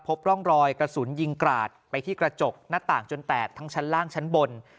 พบร่องรอยกระสุนยิงกราดไปที่กระจกหน้าต่างจนแตกทั้งชั้นล่างชั้นบน